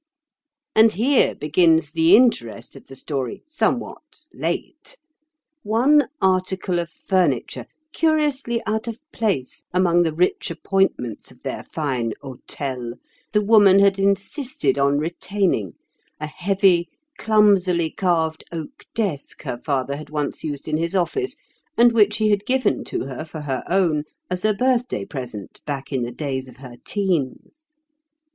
"And here begins the interest of the story, somewhat late. One article of furniture, curiously out of place among the rich appointments of their fine hôtel, the woman had insisted on retaining, a heavy, clumsily carved oak desk her father had once used in his office, and which he had given to her for her own as a birthday present back in the days of her teens.